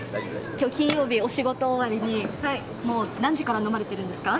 今日金曜日お仕事終わりに何時から飲まれてるんですか？